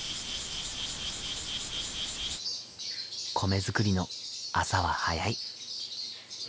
米作りの朝は早い。